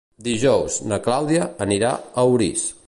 Dijous na Clàudia anirà a Orís.